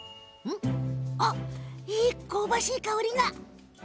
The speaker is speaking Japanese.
あっ香ばしい香りが。